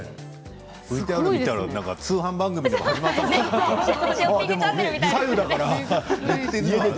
ＶＴＲを見たら通販番組でも始まったのかと思った。